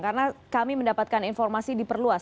karena kami mendapatkan informasi di perluas